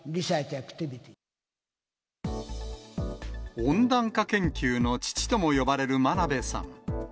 温暖化研究の父とも呼ばれる真鍋さん。